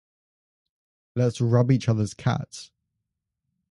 Let's rub each other's cats